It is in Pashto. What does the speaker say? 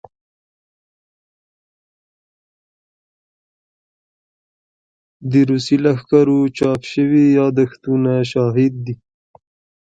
د روسي لښکرو چاپ شوي يادښتونه شاهد دي.